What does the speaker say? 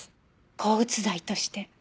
抗うつ剤として。